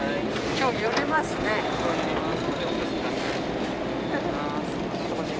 今日揺れます。